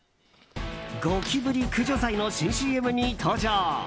ゴキブリ駆除剤の新ＣＭに登場。